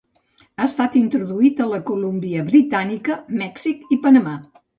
Ha estat introduït a la Colúmbia Britànica, Mèxic i Panamà.